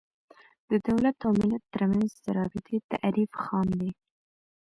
د دولت او ملت تر منځ د رابطې تعریف خام و.